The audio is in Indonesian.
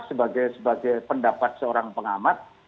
sebagai pendapat seorang pengamat